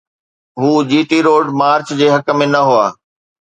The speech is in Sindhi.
هو جي ٽي روڊ مارچ جي حق ۾ نه هئا.